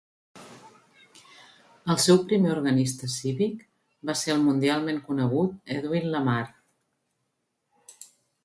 El seu primer organista cívic va ser el mundialment conegut Edwin Lemare.